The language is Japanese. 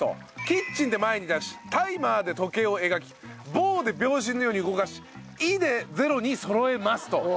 「キッチン」で前に出し「タイマー」で時計を描き「ボー」で秒針のように動かし「イ」で０にそろえますと。